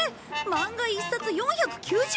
漫画１冊４９０円！？